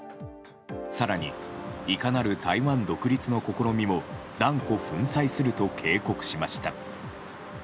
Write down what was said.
更に、いかなる台湾独立の試みも断固粉砕すると警告しました。